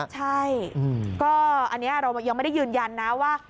ใช่ก็อันนี้เรายังไม่ได้ยืนยันนะว่า